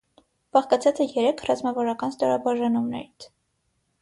Բաղկացած է երեք ռազմավարական ստորաբաժանումներից։